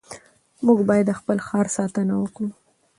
موږ باید د خپل ښار ساتنه وکړو.